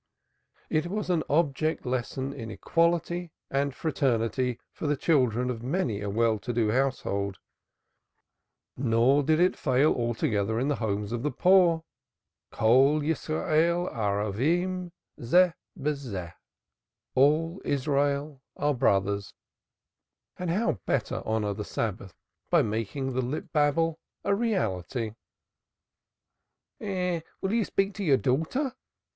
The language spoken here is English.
It was an object lesson in equality and fraternity for the children of many a well to do household, nor did it fail altogether in the homes of the poor. "All Israel are brothers," and how better honor the Sabbath than by making the lip babble a reality? "You will speak to your daughter?"